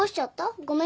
ごめんね。